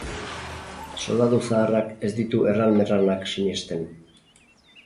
Soldadu zaharrak ez ditu erran-merranak sinesten.